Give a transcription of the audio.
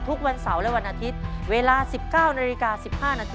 ทุกวันเสาร์และวันอาทิตย์เวลา๑๙นาฬิกา๑๕นาที